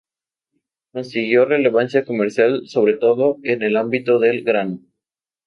Consiguió relevancia comercial sobre todo en el ámbito del grano.